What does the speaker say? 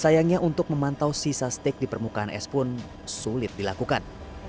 sayangnya untuk memantau sisa steak di permukaan es pun sulit dilakukan